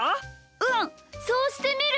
うんそうしてみる！